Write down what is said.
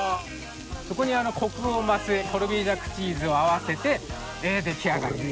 ここにコクを増すコルビージャックチーズを合わせて出来上がり。